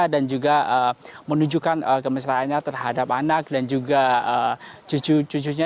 dan juga menunjukkan kemisraannya terhadap anak dan juga cucu cucunya